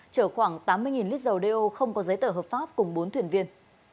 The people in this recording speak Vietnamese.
chở khoảng tám mươi lít dầu đeo không có giấy tờ hợp pháp cùng bốn thuyền viên